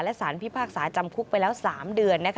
และสารพิพากษาจำคุกไปแล้ว๓เดือน